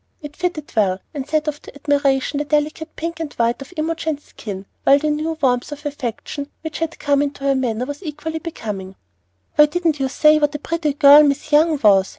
It fitted well, and set off to admiration the delicate pink and white of Imogen's skin, while the new warmth of affection which had come into her manner was equally becoming. "Why didn't you say what a pretty girl Miss Young was?"